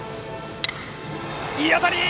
いい当たり！